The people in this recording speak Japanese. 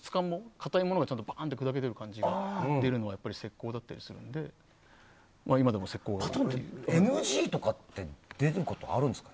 硬いものがバーンと砕けてる感じが出るのが石膏だったりするので例えばＮＧとかって出ることあるんですか？